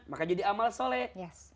maka jadi amal soleh